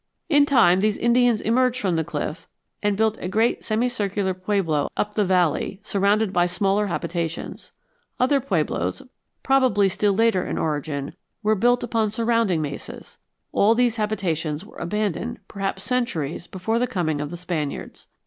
In time these Indians emerged from the cliff and built a great semi circular pueblo up the valley, surrounded by smaller habitations. Other pueblos, probably still later in origin, were built upon surrounding mesas. All these habitations were abandoned perhaps centuries before the coming of the Spaniards.